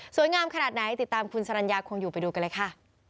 งามขนาดไหนติดตามคุณสรรญาคงอยู่ไปดูกันเลยค่ะ